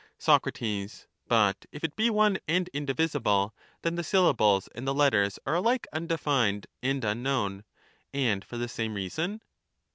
Soc, But if it be one and indivisible, then the syllables and the letters are alike undefined and unknown, and for the same reason